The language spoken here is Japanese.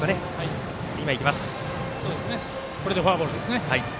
これでフォアボールですね。